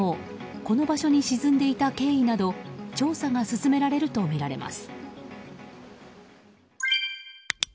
この場所に沈んでいた経緯など調査が進められるとみられます。